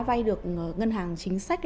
vai được ngân hàng chính sách